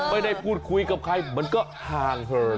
ไม่ได้พูดคุยกับใครมันก็ห่างเหิน